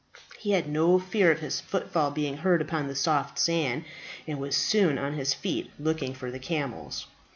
He had no fear of his footfall being heard upon the soft sand, and was soon on his feet, looking for the camels.